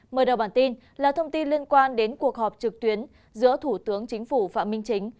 mở đầu bản tin là thông tin liên quan đến cuộc họp trực tuyến giữa thủ tướng chính phủ phạm minh chính